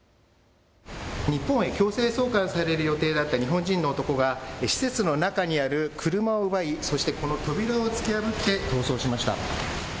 日本へ強制送還される予定だった日本人の男が施設の中にある車を奪い、そしてこの扉を突き破って逃走しました。